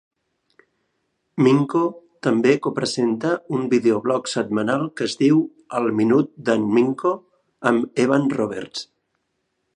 Minko també co-presenta un vídeo blog setmanal que es diu el "Minut de Minko" amb Evan Roberts.